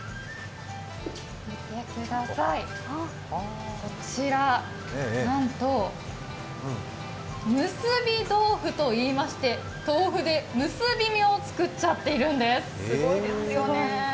見てください、こちら、なんと結び豆腐といいまして豆腐で結び目を作っちゃってるんです、すごいですよね。